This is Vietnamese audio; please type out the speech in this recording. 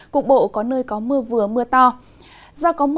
cục bộ có nơi có mưa vừa mưa to